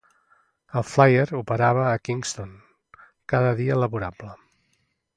El Flyer operava a Kingston cada dia laborable.